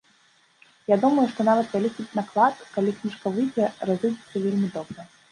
Я думаю, што нават вялікі наклад, калі кніжка выйдзе, разыдзецца вельмі добра.